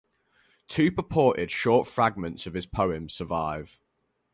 Two purported short fragments of his poems survive.